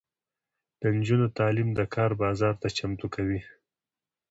د نجونو تعلیم د کار بازار ته چمتو کوي.